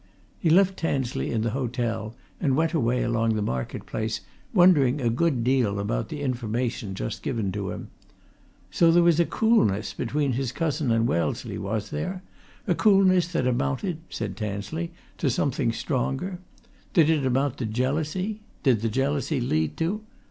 He left Tansley in the hotel and went away along the market place, wondering a good deal about the information just given to him. So there was a coolness between his cousin and Wellesley, was there, a coolness that amounted, said Tansley, to something stronger? Did it amount to jealousy? Did the jealousy lead to